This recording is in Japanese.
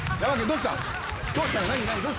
どうした？